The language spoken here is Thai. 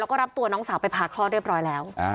แล้วก็รับตัวน้องสาวไปผ่าคลอดเรียบร้อยแล้ว